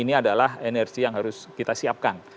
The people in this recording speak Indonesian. ini adalah energi yang harus kita siapkan